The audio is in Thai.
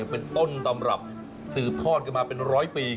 เป็นต้นตำรับสืบทอดกันมาเป็นร้อยปี